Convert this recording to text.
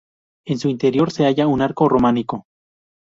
En su interior se halla un arco románico.